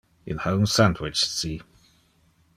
Il ha un sandwich ci.